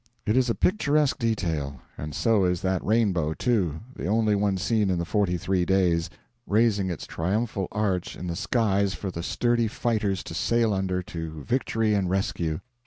It is a picturesque detail; and so is that rainbow, too the only one seen in the forty three days, raising its triumphal arch in the skies for the sturdy fighters to sail under to victory and rescue.